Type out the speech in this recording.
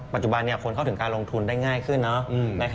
ปัจจุบันคนเข้าถึงการลงทุนได้ง่ายขึ้นนะ